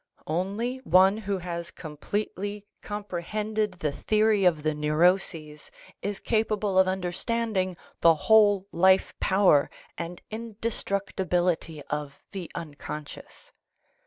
Only one who has completely comprehended the theory of the neuroses is capable of understanding the whole life power and indestructibility of the unconscious.